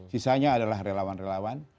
sisanya adalah relawan relawan